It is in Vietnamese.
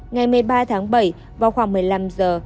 ngày một mươi ba tháng bảy vào khoảng một mươi năm giờ